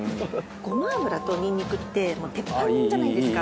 ごま油とニンニクって鉄板じゃないですか。